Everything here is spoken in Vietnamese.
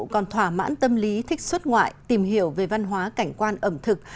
còn thỏa mãn tâm lý thích xuất ngoại tìm hiểu về văn hóa cảnh quan ẩm thực